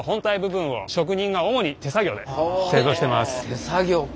手作業か。